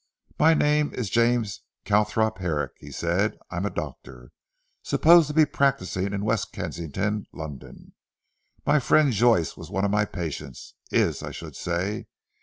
"My name is James Calthorpe Herrick," he said. "I am a doctor, supposed to be practising in West Kensington, London. My friend Joyce was one of my patients is I should say.